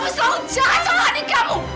kamu selalu jahat sama nikahmu